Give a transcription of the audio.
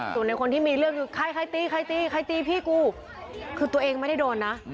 ส่วนในคนที่มีเรื่องอยู่ใครใครตีใครตีใครตีพี่กูคือตัวเองไม่ได้โดนนะ